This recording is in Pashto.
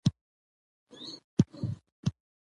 د پرتمينې لمانځغونډې ته وياړ ور په برخه کړه .